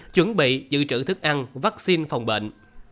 chuẩn bị giữ trữ thức ăn vaccine phòng bệnh